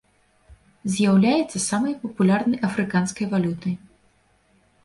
З'яўляецца самай папулярнай афрыканскай валютай.